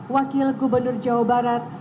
wakil gubernur jawa barat